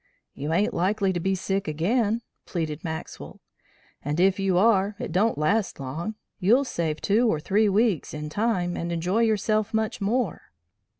"You ain't likely to be sick again," plead Maxwell; "and, if you are, it don't last long. You'll save two or three weeks in time and enjoy yourself much more."